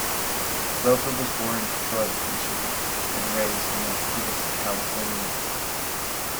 Roper was born in Detroit, Michigan and raised in Milpitas, California.